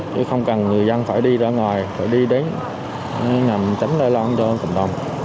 chứ không cần người dân phải đi ra ngoài phải đi đến nằm tránh đài loan cho cộng đồng